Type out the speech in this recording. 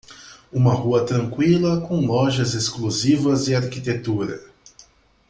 Uma rua tranquila com lojas exclusivas e arquitetura.